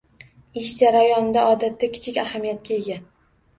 Ish jarayonida odatda kichik ahamiyatga ega